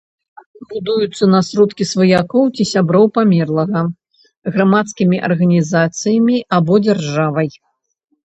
Будуюцца на сродкі сваякоў ці сяброў памерлага, грамадскімі арганізацыямі або дзяржавай.